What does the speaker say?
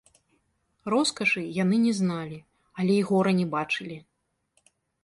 Роскашы яны не зналі, але й гора не бачылі.